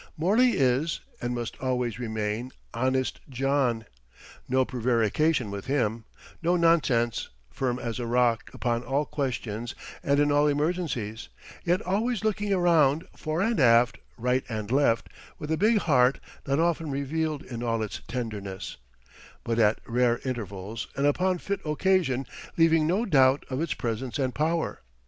Morley is, and must always remain, "Honest John." No prevarication with him, no nonsense, firm as a rock upon all questions and in all emergencies; yet always looking around, fore and aft, right and left, with a big heart not often revealed in all its tenderness, but at rare intervals and upon fit occasion leaving no doubt of its presence and power.